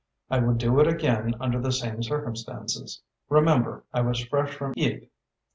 I would do it again under the same circumstances. Remember I was fresh from Ypres.